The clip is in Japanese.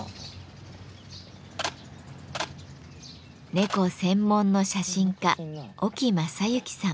猫専門の写真家沖昌之さん。